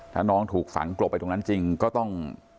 ถ้าน้องถูกฝังกลบไปตรงนั้นจริงก็ต้อง